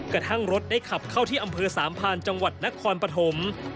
กระทั่งรถได้ขับเข้าที่อำเภอสามพานจังหวัดนครปฐม